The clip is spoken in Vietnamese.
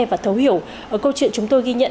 và thấu hiểu câu chuyện chúng tôi ghi nhận